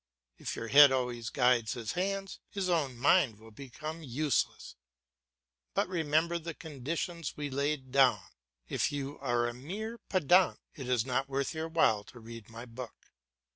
If your head always guides his hands, his own mind will become useless. But remember the conditions we laid down; if you are a mere pedant it is not worth your while to read my book.